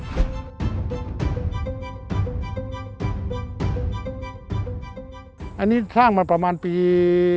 อันนี้ทร่างมาประมาณปี๕๘๕๙